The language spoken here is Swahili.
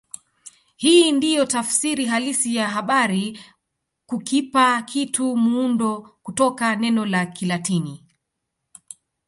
Hii ndiyo tafsiri halisi ya habari kukipa kitu muundo kutoka neno la Kilatini